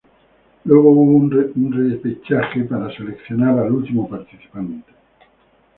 Luego hubo un repechaje para seleccionar al último participante.